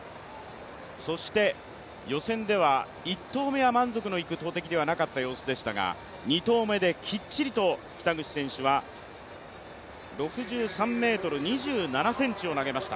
そして予選では１投目は満足のいく投てきではなかった様子でしたが２投目できっちりと北口選手は６３ｍ２７ｃｍを投げました。